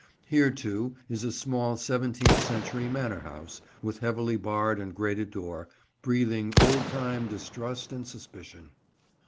Here, too, is a small seventeenth century manor house, with heavily barred and grated door, breathing old time distrust and suspicion.